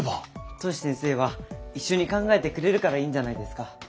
トシ先生は一緒に考えてくれるからいいんじゃないですか？